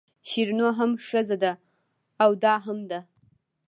شیرینو هم ښځه ده او دا هم ده.